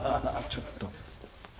ちょっと。